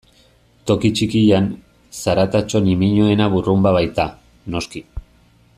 Toki txikian, zaratatxo ñimiñoena burrunba baita, noski.